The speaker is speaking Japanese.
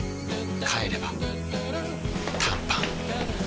帰れば短パン